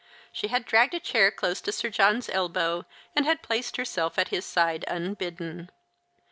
She had dragged a chair close to Sir John's elbow, and had placed herself at his side unbidden.